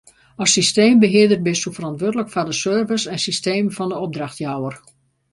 As systeembehearder bisto ferantwurdlik foar de servers en systemen fan de opdrachtjouwer.